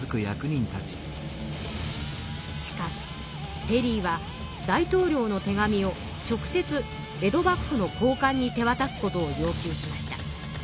しかしペリーは大統領の手紙を直接江戸幕府の高官に手わたすことを要求しました。